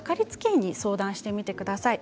医に相談してみてください。